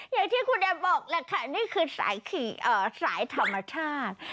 อย่างที่คุณแอมบอกแหละค่ะนี่คือสายธรรมชาติ